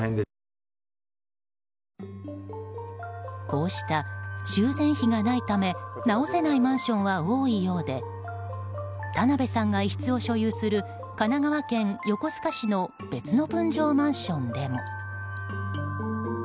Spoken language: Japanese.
こうした、修繕費がないため直せないマンションは多いようで田邊さんが一室を所有する神奈川県横須賀市の別の分譲マンションでも。